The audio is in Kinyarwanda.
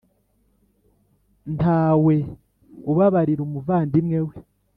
nta we ubabarira umuvandimwe we.